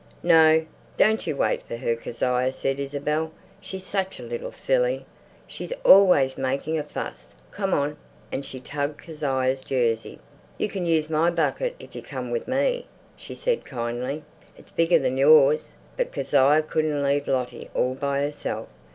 "No, don't you wait for her, Kezia!" said Isabel. "She's such a little silly. She's always making a fuss. Come on!" And she tugged Kezia's jersey. "You can use my bucket if you come with me," she said kindly. "It's bigger than yours." But Kezia couldn't leave Lottie all by herself.